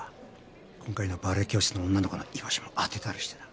今回のバレエ教室の女の子の居場所も当てたりしてな。